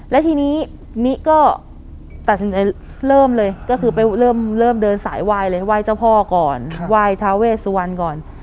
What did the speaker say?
และทีนี้มิก็ตัดสินใจเริ่มเลยก็คือไปเริ่มเดินสายไหว้เลยไหว้เจ้าพ่อก่อนไหว้ทาเวสวรรณก่อน